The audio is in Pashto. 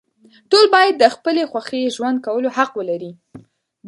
ټول باید د خپلې خوښې ژوند کولو حق ولري.